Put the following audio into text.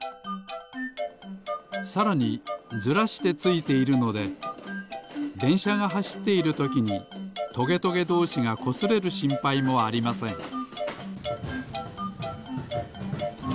さらにずらしてついているのででんしゃがはしっているときにトゲトゲどうしがこすれるしんぱいもありません。